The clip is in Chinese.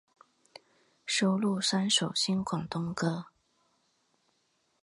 收录三首新广东歌。